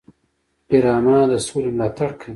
ډرامه د سولې ملاتړ کوي